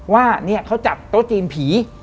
ว่าเขาจัดโต๊ะจีนผี